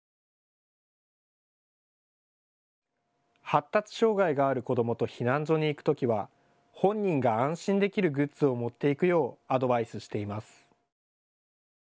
発達障害がある子どもと避難所に行くときは、本人が安心できるグッズを持っていくようアドバイスしています。